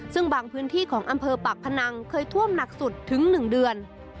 ซึ่งบางพื้นที่ของอำเภอปากพนังเคยท่วมหนักสุดถึง๑เดือน